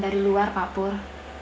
dari luar parpapur